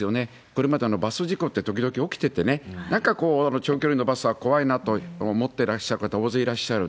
これまでバス事故って、時々起きてて、なんかこう、長距離のバスは怖いなと思ってらっしゃる方大勢いらっしゃる。